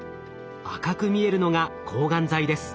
赤く見えるのが抗がん剤です。